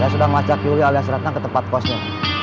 saya sudah ngelacak yuli alias ratna ke tempat kosnya